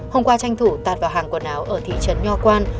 hôm qua tranh thủ tạt vào hàng quần áo ở thị trấn nho quan